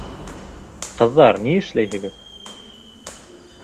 Ҡыҙҙар, ни эшләйһегеҙ?!